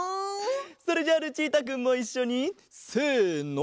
それじゃあルチータくんもいっしょにせの。